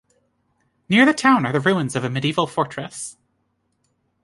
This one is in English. Near the town are the ruins of a medieval fortress.